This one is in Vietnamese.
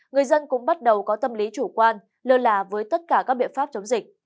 người dân cũng bắt đầu có tâm lý chủ quan lơ là với tất cả các biện pháp chống dịch